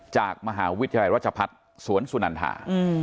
จากมหาวิทยาลัยวัชภัฐสวนสุนัลถา